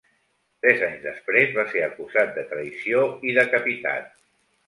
Tres anys després, va ser acusat de traïció i decapitat.